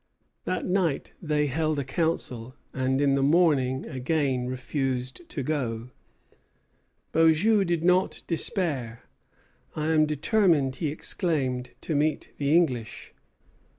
That night they held a council, and in the morning again refused to go. Beaujeu did not despair. "I am determined," he exclaimed, "to meet the English.